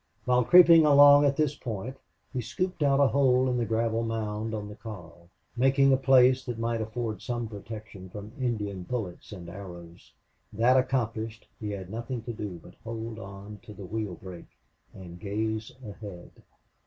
While creeping along at this point he scooped out a hole in the gravel mound on the car, making a place that might afford some protection from Indian bullets and arrows. That accomplished, he had nothing to do but hold on to the wheel brake, and gaze ahead.